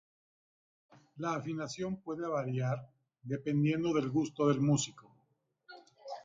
La afinación puede variar dependiendo el gusto del músico.